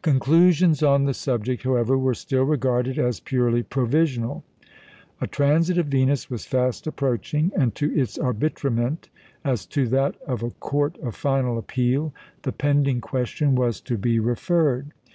Conclusions on the subject, however, were still regarded as purely provisional. A transit of Venus was fast approaching, and to its arbitrament, as to that of a court of final appeal, the pending question was to be referred.